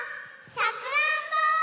さくらんぼ！